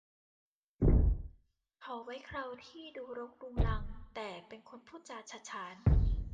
เขาไว้เคราที่ดูรกรุงรังแต่เป็นคนพูดจาฉะฉาน